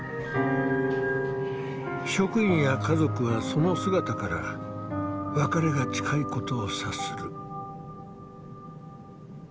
職員や家族はその姿から別れが近いことを察する。